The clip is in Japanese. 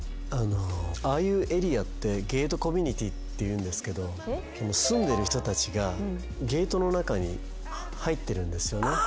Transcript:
ああいうエリアってゲートコミュニティっていうんですけど住んでる人たちがゲートの中に入ってるんですよね。